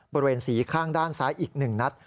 บริเวณสีข้างด้านซ้ายอีก๑นัด